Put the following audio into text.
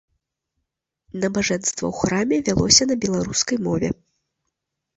Набажэнства ў храме вялося на беларускай мове.